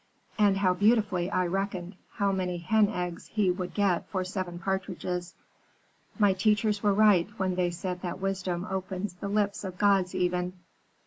And how beautifully I reckoned how many hen eggs he would get for seven partridges. My teachers were right when they said that wisdom opens the lips of gods even.'